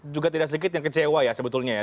juga tidak sedikit yang kecewa ya sebetulnya ya